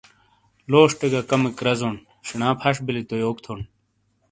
لوشٹے گہ کمیک رزونڈ شینا پھش بیلی تو یوک تھونڈ